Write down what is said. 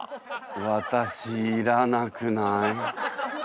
私いらなくない？